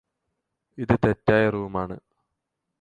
ഇത് തെറ്റായ റൂമാണ്